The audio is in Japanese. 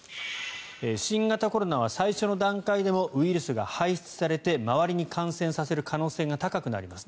新型コロナは最初の段階でもウイルスが排出されて周りに感染させる可能性が高くなります。